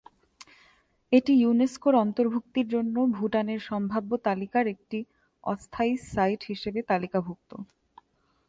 এটি ইউনেস্কোর অন্তর্ভুক্তির জন্য ভুটানের সম্ভাব্য তালিকার একটি অস্থায়ী সাইট হিসাবে তালিকাভুক্ত।